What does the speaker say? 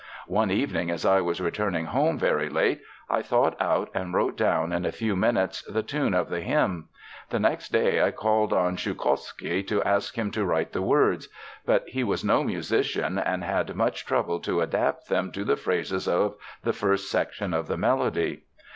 "One evening as I was returning home very late, I thought out and wrote down in a few minutes the tune of the hymn. The next day I called on Shoukovsky to ask him to write the words; but he was no musician and had much trouble to adapt them to the phrases of the first section of the melody.